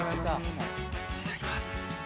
いただきます。